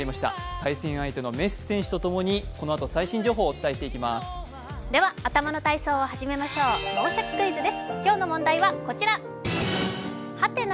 対戦相手のメッシ選手と共にこのあと最新情報をお伝えしていきます。